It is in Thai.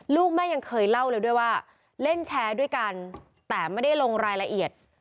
ลูกแม่ยังเคยเล่าเลยด้วยว่าเล่นแชร์ด้วยกันแต่ไม่ได้ลงรายละเอียด